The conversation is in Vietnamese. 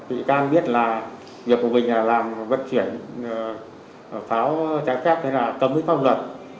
vị can biết là việc của mình là làm vận chuyển pháo trái phép cấm với phong luật